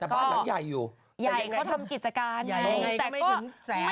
แต่บ้านลักใหญ่อยู่แต่ยังไงน้องไงก็ไม่ถึงแสน